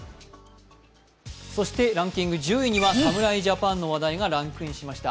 そしてランキング１０位には侍ジャパンの話題がランクインしました。